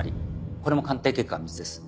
これも鑑定結果は水です。